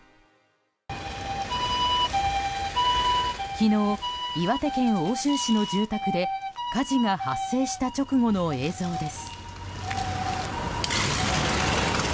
昨日、岩手県奥州市の住宅で火事が発生した直後の映像です。